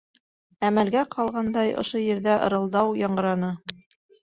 Әмәлгә ҡалғандай ошо ерҙә ырылдау яңғыраны.